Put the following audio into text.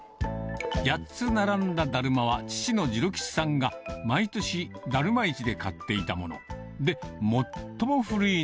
８つ並んだだるまは、父の次郎吉さんが毎年だるま市で買っていたもの。